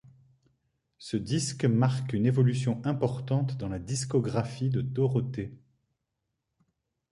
Ce disque marque une évolution importante dans la discographie de Dorothée.